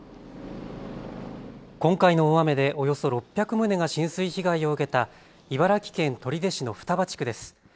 今回の大雨でおよそ６００棟が浸水被害を受けた茨城県取手市の双葉地区です。